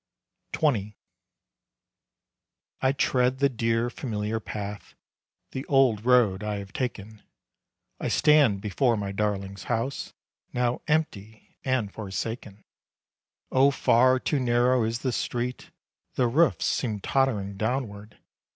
XX. I tread the dear familiar path, The old road I have taken; I stand before my darling's house, Now empty and forsaken. Oh far too narrow is the street, The roofs seem tottering downward.